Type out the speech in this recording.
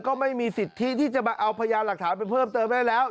ก็ไม่มีสิทธิที่จะมาเอาพยานหลักฐานไปเพิ่มเติมได้แล้ว